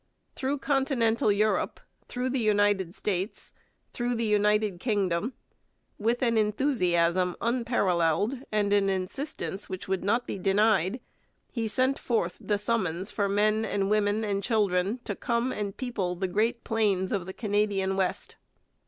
Through Continental Europe, through the United States, through the United Kingdom, with an enthusiasm unparalleled and an insistence which would not be denied, he sent forth the summons for men and women and children to come and people the great plains of the Canadian West.